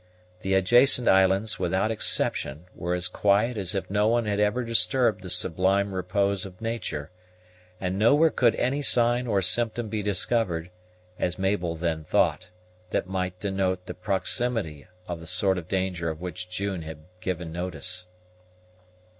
The adjacent islands, without exception, were as quiet as if no one had ever disturbed the sublime repose of nature, and nowhere could any sign or symptom be discovered, as Mabel then thought, that might denote the proximity of the sort of danger of which June had given notice.